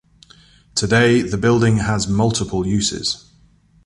Today the building has multiple uses.